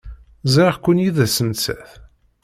Ẓriɣ-ken yid-s nettat.